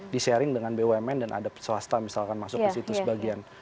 di sharing dengan bumn dan ada swasta misalkan masuk ke situ sebagian